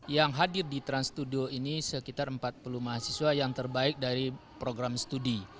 yang hadir di trans studio ini sekitar empat puluh mahasiswa yang terbaik dari program studi